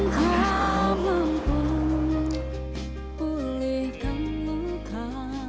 cinta mampu pulihkan muka